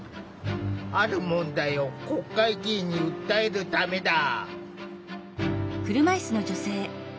ある問題を国会議員に訴えるためだ。